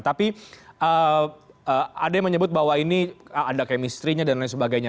tapi ada yang menyebut bahwa ini ada kemistrinya dan lain sebagainya